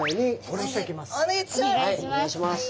お願いいたします！